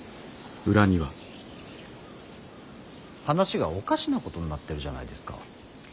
話がおかしなことになってるじゃないですか。